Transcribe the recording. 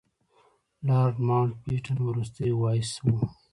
لارډ ماونټ بیټن وروستی وایسराय و.